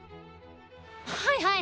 はいはい！